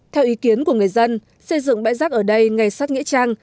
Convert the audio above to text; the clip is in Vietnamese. theo ý kiến của người dân xây dựng bãi rác ở đây ngay sát nghĩa trang